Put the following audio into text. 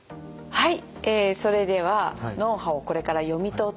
はい。